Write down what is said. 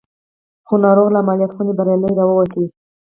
خو ناروغ له عمليات خونې بريالي را ووت.